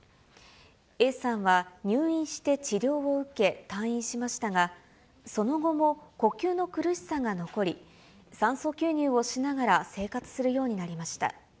Ａさんは入院して治療を受け、退院しましたが、その後も呼吸の苦しさが残り、酸素吸入をしながら生活するようになりました。